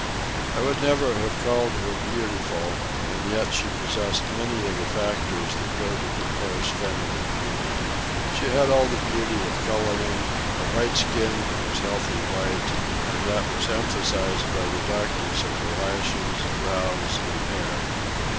I would never have called her beautiful, and yet she possessed many of the factors that go to compose feminine beauty. She had all the beauty of colouring, a white skin that was healthy white and that was emphasized by the darkness of her lashes, brows, and hair.